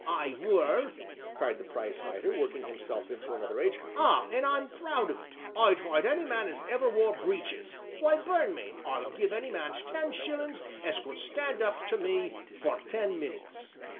"I were," cried the prizefighter, working himself into another rage, "ah! an' I'm proud of it. I'd fight any man as ever wore breeches why, burn me! I'd give any man ten shillin' as could stand up to me for ten minutes."